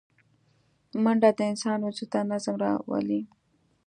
منډه د انسان وجود ته نظم راولي